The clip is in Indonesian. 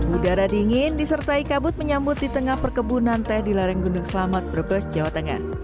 udara dingin disertai kabut menyambut di tengah perkebunan teh di lereng gunung selamet brebes jawa tengah